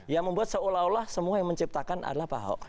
yang membuat seolah olah semua yang menciptakan adalah pak ahok